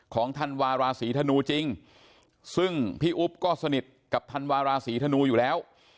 ของธรรมวาลาศีษฎานูจริงซึ่งพี่อุบก็สนิทกับธรรวาลาศีฐานูอยู่แล้ว